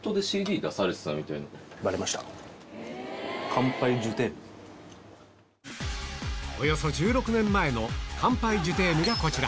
ここで店主がおよそ１６年前の『乾杯ジュテーム』がこちら